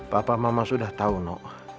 papa mama sudah tahu nok